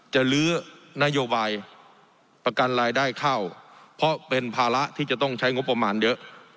ลื้อนโยบายประกันรายได้เข้าเพราะเป็นภาระที่จะต้องใช้งบประมาณเยอะ